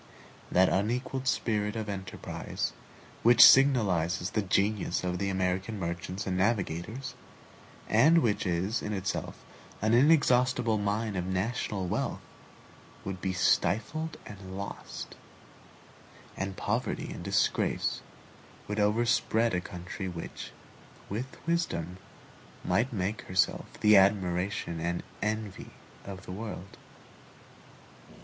That unequaled spirit of enterprise, which signalizes the genius of the American merchants and navigators, and which is in itself an inexhaustible mine of national wealth, would be stifled and lost, and poverty and disgrace would overspread a country which, with wisdom, might make herself the admiration and envy of the world.